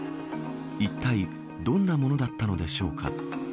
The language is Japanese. いったいどんなものだったのでしょうか。